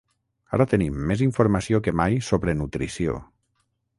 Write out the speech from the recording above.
Ara tenim més informació que mai sobre nutrició.